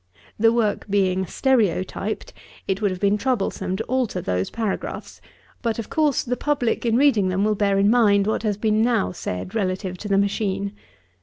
The work being stereotyped, it would have been troublesome to alter those paragraphs; but, of course, the public, in reading them, will bear in mind what has been now said relative to the machine.